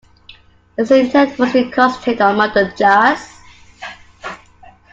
His intent was to concentrate on modern jazz.